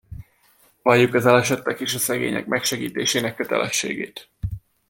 Valljuk az elesettek és a szegények megsegítésének kötelességét.